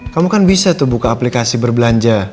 kamu kan bisa tuh buka aplikasi berbelanja